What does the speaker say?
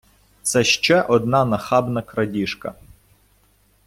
Це ще одна нахабна крадіжка.